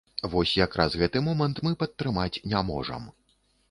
Вось якраз гэты момант мы падтрымаць не можам.